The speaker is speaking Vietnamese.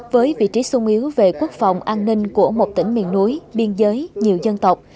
với vị trí sung yếu về quốc phòng an ninh của một tỉnh miền núi biên giới nhiều dân tộc